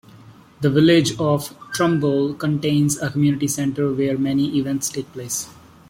The village of Trumbull contains a community center where many events take place.